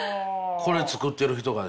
これ作ってる人がですか？